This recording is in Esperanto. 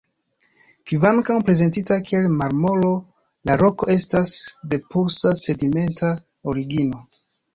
Kvankam prezentita kiel marmoro, la roko estas de pura sedimenta origino.